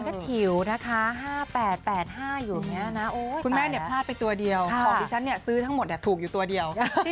มีคุณแม่เบลเป็นเพื่อนอยู่ค่ะตอนนี้